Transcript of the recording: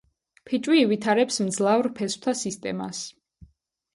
ფიჭვი ივითარებს მძლავრ ფესვთა სისტემას.